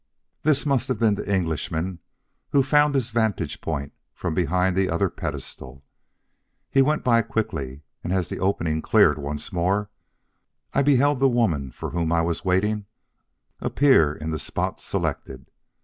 This must have been the Englishman who found his vantage point from behind the other pedestal. He went by quickly, and as the opening cleared once more, I beheld the woman for whom I was waiting appear in the spot selected.